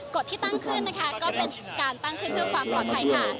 กฎที่ตั้งขึ้นนะคะก็เป็นการตั้งขึ้นเพื่อความปลอดภัยค่ะ